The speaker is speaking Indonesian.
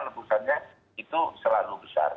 lebusannya itu selalu besar